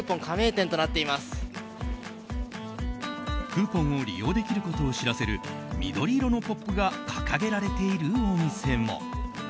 クーポンを利用できることを知らせる緑色のポップが掲げられているお店も。